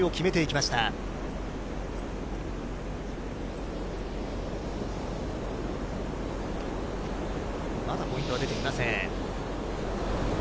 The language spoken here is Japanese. まだポイントは出ていません。